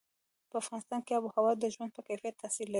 په افغانستان کې آب وهوا د ژوند په کیفیت تاثیر لري.